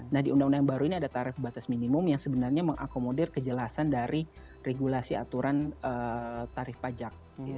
nah di undang undang yang baru ini ada tarif batas minimum yang sebenarnya mengakomodir kejelasan dari regulasi aturan tarif pajak